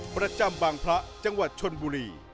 ประจำบางพระจังหวัดชนบุรี